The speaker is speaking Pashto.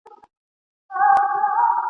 ورک یم له شهبازه ترانې را پسي مه ګوره !.